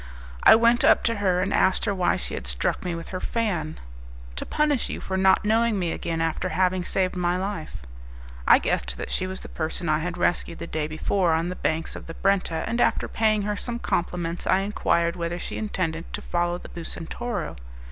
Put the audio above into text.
I went up to her, and asked her why she had struck me with her fan. "To punish you for not knowing me again after having saved my life." I guessed that she was the person I had rescued the day before on the banks of the Brenta, and after paying her some compliments I enquired whether she intended to follow the Bucentoro.